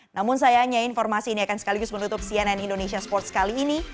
namun sayangnya informasi ini akan sekaligus menutup cnn indonesia sports kali ini